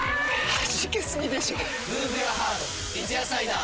はじけすぎでしょ『三ツ矢サイダー』